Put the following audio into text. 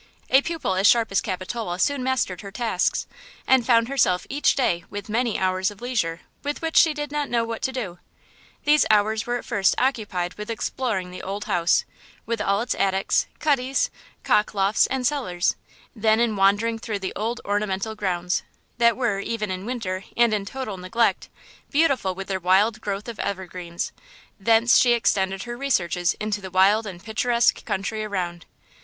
A pupil as sharp as Capitola soon mastered her tasks, and found herself each day with many hours of leisure with which she did not know what to do. These hours were at first occupied with exploring the old house, with all its attics, cuddies, cock lofts and cellars, then in wandering through the old ornamental grounds, that were, even in winter and in total neglect, beautiful with their wild growth of evergreens; thence she extended her researches into the wild and picturesque country around.